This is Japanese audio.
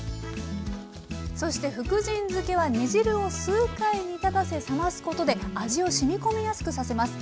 そして福神漬は煮汁を数回煮立たせ冷ますことで味をしみ込みやすくさせます。